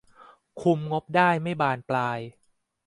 คุมงบได้ไม่บานปลาย